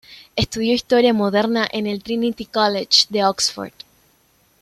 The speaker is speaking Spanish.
Estudió historia moderna en el Trinity College de Oxford.